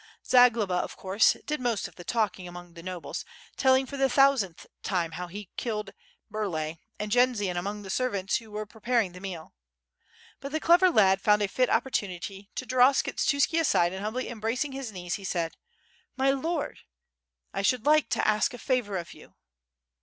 Zagloba of course, did most of the talking among the nobles, telling for the thousandth time how he had killed Burlay; and Jendzian among the servants who were prepar ing the meal. But the clever lad found a fit opportunity to draw Skshetuski aside and humbly embracing his kneed, he said: "My Lord! I sihould like to ask a favor of you.